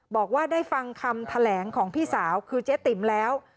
บอกว่าได้ฟังคำแถลงของพี่สาวคือเจ๊ติ๋มแล้ว